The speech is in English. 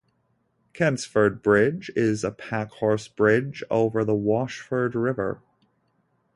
Kentsford Bridge is a packhorse bridge over the Washford River.